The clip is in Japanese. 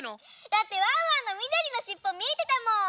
だってワンワンのみどりのしっぽみえてたもん。